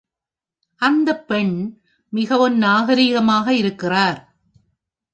அந்தப் பெண் மிகவும் நாகரிகமாக இருக்கிறார்!